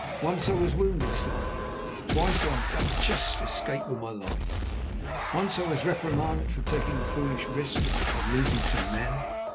Once I was wounded slightly, twice I but just escaped with my life. Once I was reprimanded for taking a foolish risk and losing some men.